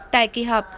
tại kỳ họp